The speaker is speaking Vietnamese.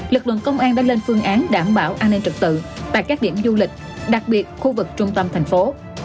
lực lượng công an đã lên phương án đảm bảo an ninh trật tự tại các điểm du lịch đặc biệt khu vực trung tâm thành phố